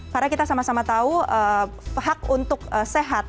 karena kita sama sama tahu hak untuk sehat